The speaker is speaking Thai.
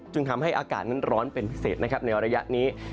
ทำให้อากาศนั้นร้อนเป็นพิเศษนะครับในระยะนี้